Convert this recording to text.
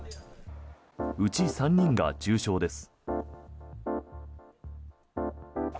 うち３人が重傷です。